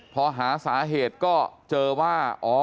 พอหาสาเหตุก็เจอว่า